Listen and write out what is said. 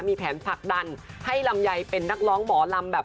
มีแผนผลักดันให้ลำไยเป็นนักร้องหมอลำแบบ